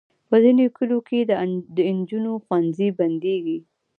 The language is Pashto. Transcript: په ځینو کلیو کې د انجونو ښوونځي بندېږي.